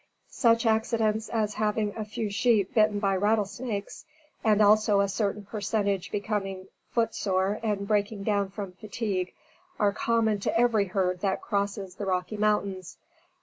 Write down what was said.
Such accidents as having a few sheep bitten by rattlesnakes, and also a certain percentage becoming foot sore and breaking down from fatigue, are common to every herd that crosses the Rocky Mountains.